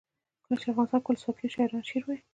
کله چې افغانستان کې ولسواکي وي شاعران شعر وايي.